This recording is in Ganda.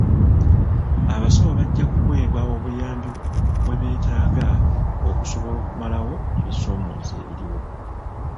Abasawo bajja kuweebwa obuyambi bwe beetaaga okusobola okumalawo ebisoomooza ebiriwo.